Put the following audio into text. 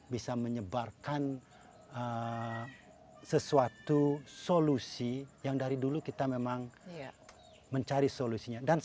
bisa menyebarkan sesuatu solusi yang dari dulu kita memang mencari solusinya